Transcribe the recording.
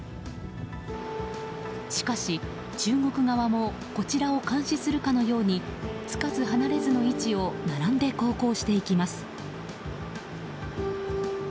しかし、中国側もこちらを監視するかのようにつかず離れずの位置を並んで航行していきます。